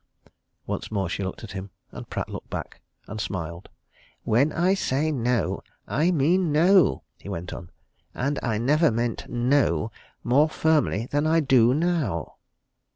Once more she looked at him. And Pratt looked back and smiled. "When I say no, I mean no," he went on. "And I never meant 'No' more firmly than I do now."